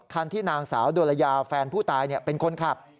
คันที่นางสาวโดรยาแฟนผู้ตายเป็นคนขับ